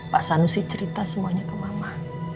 pak sanusi cerita semuanya ke mama